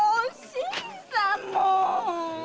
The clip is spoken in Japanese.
新さんっ！